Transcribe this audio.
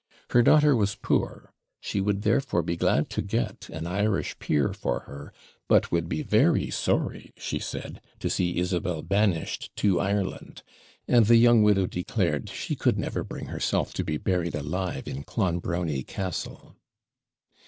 Her daughter was poor, she would therefore be glad to GET an Irish peer for her; but would be very sorry, she said, to see Isabel banished to Ireland; and the young widow declared she could never bring herself to be buried alive in Clonbrony Castle.